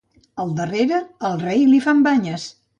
Al darrere, al rei li fan banyes.